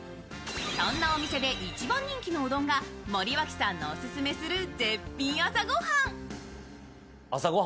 そんなお店で一番人気のうどんが森脇さんのオススメする絶品朝ご飯。